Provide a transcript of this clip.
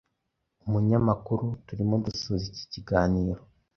Umunyamakuru: Turimo dusoza iki kiganiro,